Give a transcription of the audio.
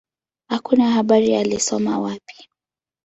Hakuna habari alisoma wapi.